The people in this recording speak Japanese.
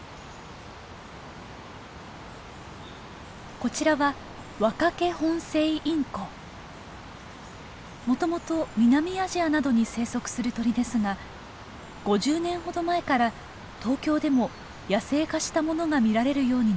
こちらはもともと南アジアなどに生息する鳥ですが５０年ほど前から東京でも野生化したものが見られるようになりました。